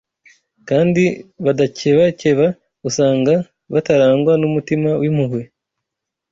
kandi badakebakeba usanga batarangwa n’umutima w’impuhwe